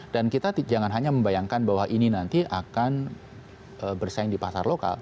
dan kita jangan hanya membayangkan bahwa ini nanti akan bersaing di pasar lokal